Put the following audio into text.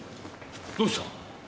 どうした？